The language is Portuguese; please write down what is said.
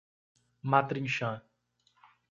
Matrinchã